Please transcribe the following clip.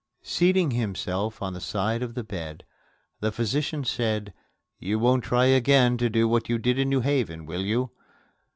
Seating himself on the side of the bed, the physician said: "You won't try again to do what you did in New Haven, will you?"